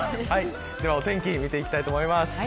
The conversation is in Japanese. ではお天気見ていきたいと思います。